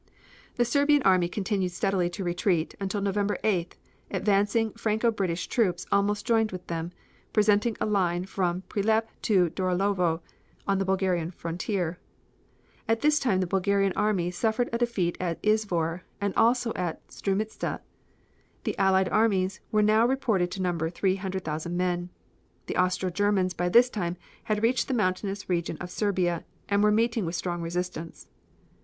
The Serbian army continued steadily to retreat, until on November 8th, advancing Franco British troops almost joined with them, presenting a line from Prilep to Dorolovo on the Bulgarian frontier. At this time the Bulgarian army suffered a defeat at Izvor, and also at Strumitza. The Allied armies were now reported to number three hundred thousand men. The Austro Germans by this time had reached the mountainous region of Serbia, and were meeting with strong resistance.